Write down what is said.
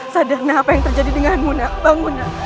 sadarna apa yang terjadi dengan muna bang muna